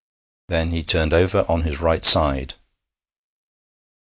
Then he turned over on his right side.